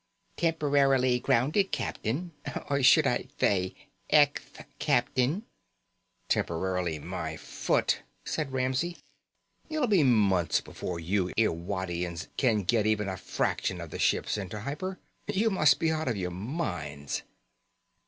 "Temporarily grounded, captain. Or should I thay, ecth captain?" "Temporarily my foot," said Ramsey. "It'll be months before you Irwadians can get even a fraction of the ships into hyper. You must be out of your minds."